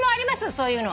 そういうの」